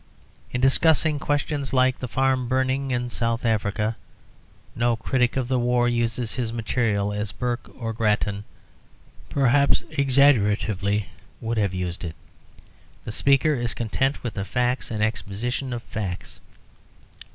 In discussing questions like the farm burning in South Africa no critic of the war uses his material as Burke or Grattan (perhaps exaggeratively) would have used it the speaker is content with facts and expositions of facts.